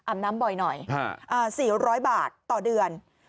น้ำบ่อยหน่อย๔๐๐บาทต่อเดือน